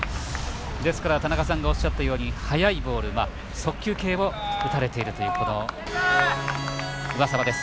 ですから、田中さんがおっしゃったように速いボール速球系を打たれているという上沢です。